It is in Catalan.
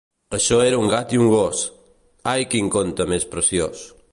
Això era un gat i un gos. Ai, quin conte més preciós!